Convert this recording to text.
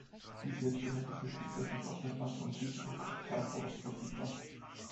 Diese Instrumente sind tatsächlich auch bei Banken und Risikokapitalfonds verfügbar.